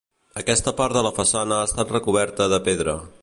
Aquesta part de la façana ha estat recoberta de pedra.